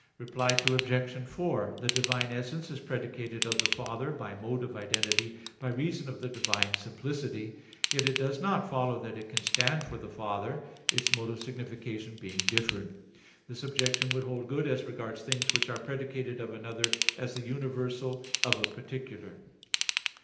Reply Obj. 4: The divine essence is predicated of the Father by mode of identity by reason of the divine simplicity; yet it does not follow that it can stand for the Father, its mode of signification being different. This objection would hold good as regards things which are predicated of another as the universal of a particular.